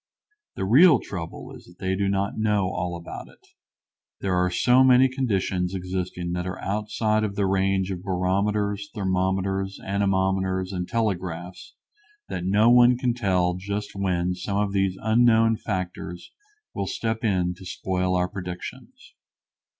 The real trouble is that they do not know all about it. There are so many conditions existing that are outside of the range of barometers, thermometers, anemometers, and telegraphs that no one can tell just when some of these unknown factors will step in to spoil our predictions.